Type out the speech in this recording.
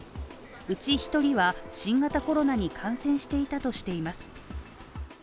うち１人は新型コロナに感染していたとしています。